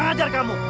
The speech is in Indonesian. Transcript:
kurang ajar kamu